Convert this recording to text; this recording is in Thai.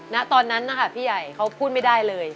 ณตอนนั้นนะคะพี่ใหญ่เขาพูดไม่ได้เลย